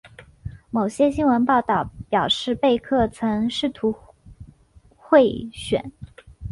某些新闻报道表示贝克曾试图贿选。